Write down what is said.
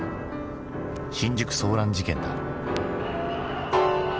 新宿騒乱事件だ。